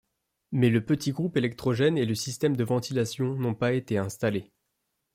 Mais le petit groupe électrogène et le système de ventilation n'ont pas été installés.